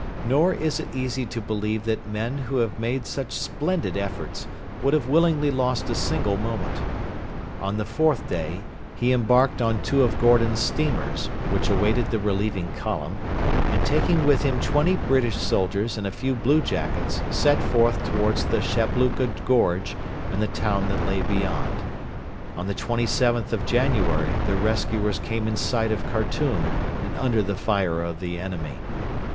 Nor is it easy to believe that men who had made such splendid efforts would have willingly lost a single moment. On the fourth day he embarked on two of Gordon's steamers, which awaited the relieving column, and taking with him twenty British soldiers and a few blue jackets set forth towards the Shabluka Gorge and the town that lay beyond. On the 27th of January the rescuers came in sight of Khartoum and under the fire of the enemy.